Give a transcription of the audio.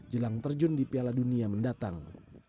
jelang terjun di piala dunia mendatang